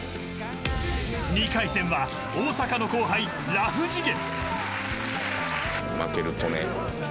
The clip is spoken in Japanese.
２回戦は大阪の後輩、ラフ次元。